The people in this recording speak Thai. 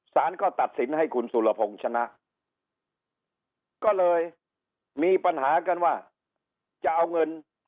สารก็ตัดสินให้คุณสุรพงศ์ชนะก็เลยมีปัญหากันว่าจะเอาเงิน